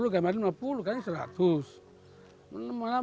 kalau kejauhan lima puluh lima puluh kan seratus